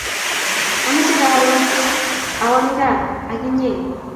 Amche karun awan kaa ak inye